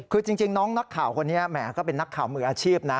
คือจริงน้องนักข่าวคนนี้แหมก็เป็นนักข่าวมืออาชีพนะ